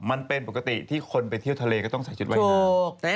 มันเป็นปกติที่คนไปเที่ยวทะเลก็ต้องใส่ชุดว่ายน้ำ